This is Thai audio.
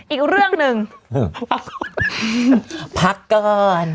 อีกเรื่องหนึ่งพักก่อน